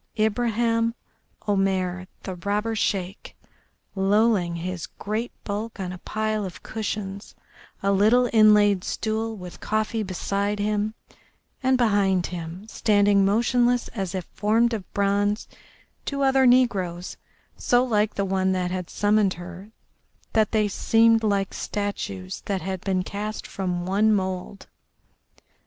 Ibraheim Omair, the robber Sheik, lolling his great bulk on a pile of cushions, a little inlaid stool with coffee beside him, and behind him, standing motionless as if formed of bronze, two other negroes, so like the one that had summoned her that they seemed like statues that had been cast from one mould.